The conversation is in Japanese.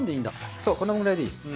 そうこのくらいでいいです。